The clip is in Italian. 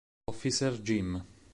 Officer Jim